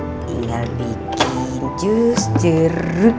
tinggal bikin jus jeruk